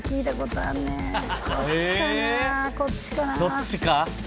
どっちか？